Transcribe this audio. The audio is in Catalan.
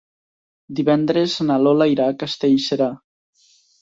Divendres na Lola irà a Castellserà.